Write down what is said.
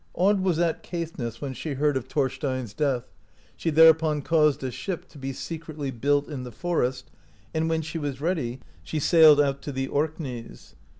Aud was at Caithness when she heard of Thorstein's death ; she there upon caused a ship (12) to be secretly built in the for est, and when she was ready, she sailed out to the Ork neys.